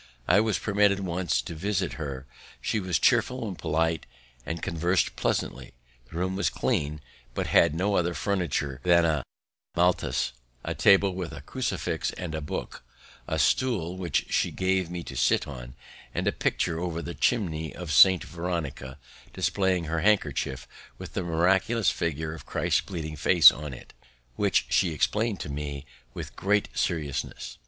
I was permitted once to visit her. She was cheerful and polite, and convers'd pleasantly. The room was clean, but had no other furniture than a matras, a table with a crucifix and book, a stool which she gave me to sit on, and a picture over the chimney of Saint Veronica displaying her handkerchief, with the miraculous figure of Christ's bleeding face on it, which she explained to me with great seriousness.